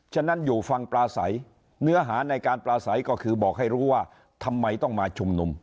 ฉะนั้นอยู่ฟังปลาใสเนื้อหาในการปลาใสก็คือบอกให้รู้ว่าทำไมต้องมาชุมนุม